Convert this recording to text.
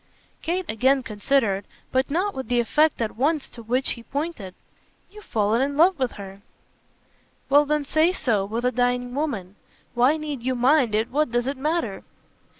Kate again considered, but not with the effect at once to which he pointed. "You've fallen in love with her." "Well then say so with a dying woman. Why need you mind and what does it matter?"